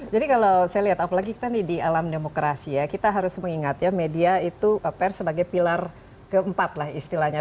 jadi kalau saya lihat apalagi kita nih di alam demokrasi ya kita harus mengingat ya media itu pers sebagai pilar ke empat lah istilahnya